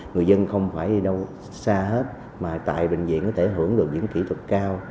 người dân không phải đi đâu xa hết mà tại bệnh viện có thể hưởng được những kỹ thuật cao